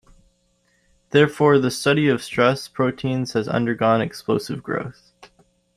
Therefore, the study of stress proteins has undergone explosive growth.